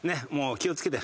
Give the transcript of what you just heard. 気を付けて。